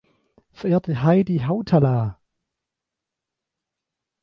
Verehrte Heidi Hautala!